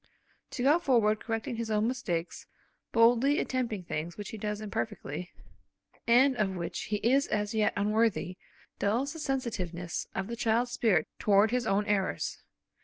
To go forward correcting his own mistakes, boldly attempting things which he does imperfectly, and of which he is as yet unworthy dulls the sensitiveness of the child's spirit toward his own errors.